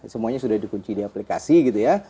semuanya sudah dikunci di aplikasi gitu ya